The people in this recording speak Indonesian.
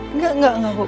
enggak enggak enggak bobi